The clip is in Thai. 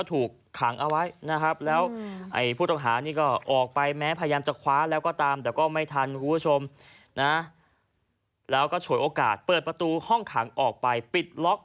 ตรงนั้นนะฮะก็วิ่งตามผู้ต้องหาไป